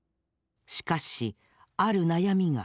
しかしある悩みが。